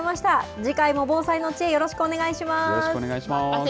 次回も防災の知恵、よろしくお願いします。